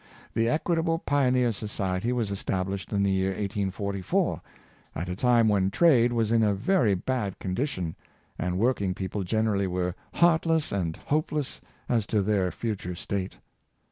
The Equitable Pioneers' Society was established in the year 1844, at a time when trade was in a very bad condi tion, and working people generally were heartless and hopeless as to their future state.